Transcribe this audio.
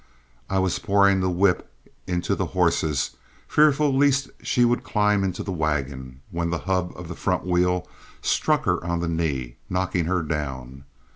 I was pouring the whip into the horses, fearful lest she would climb into the wagon, when the hub of the front wheel struck her on the knee, knocking her down.